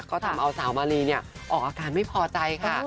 ก็ทำเอาสาวมาลีเนี่ยออกอาการไม่พอใจค่ะ